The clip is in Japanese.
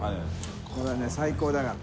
これね最高だから。